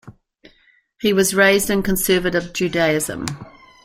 He was raised in Conservative Judaism.